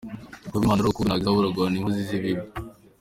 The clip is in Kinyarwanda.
Nubwo Imana ari urukundo ntabwo izabura guhana inkozi z’ibibi.